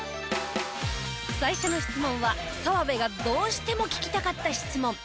最初の質問は澤部がどうしても聞きたかった質問。